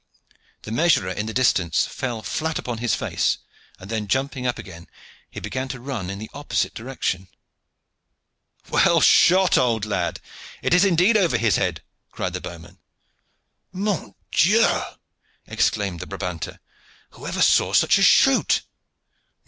The measurer in the distance fell flat upon his face, and then jumping up again, he began to run in the opposite direction. "Well shot, old lad! It is indeed over his head," cried the bowmen. "Mon Dieu!" exclaimed the Brabanter, "who ever saw such a shoot?"